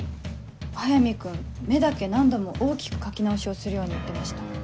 早見君目だけ何度も大きく描き直しをするように言ってました。